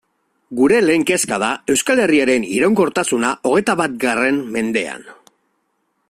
Gure lehen kezka da Euskal Herriaren iraunkortasuna hogeita batgarren mendean.